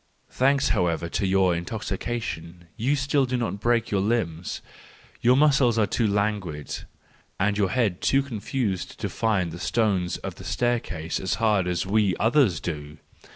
Thanks however to your intoxi¬ cation you still do not break your limbs: your muscles are too languid and your head too confused to find the stones of the staircase as hard as we others do!